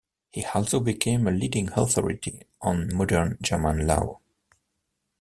He also became a leading authority on modern German law.